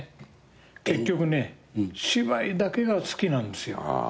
結局ね芝居だけが好きなんですよ。